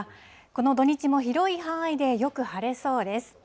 この土日も広い範囲でよく晴れそうです。